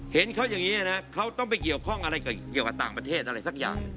เห็นเขาอย่างนี้นะเขาต้องไปเกี่ยวข้องอะไรเกี่ยวกับต่างประเทศอะไรสักอย่าง